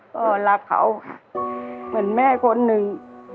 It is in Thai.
ก็รักเขาค่ะเหมือนแม่คนหนึ่ง